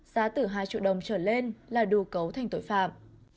giá từ hai triệu đồng trở lên là đủ cấu thành tội phạm